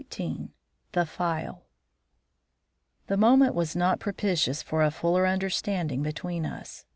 XVIII THE PHIAL The moment was not propitious for a fuller understanding between us.